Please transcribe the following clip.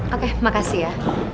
oke makasih ya